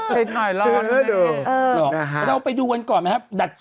จิลร้อนจนหน้าแดงเลยเห็นไหม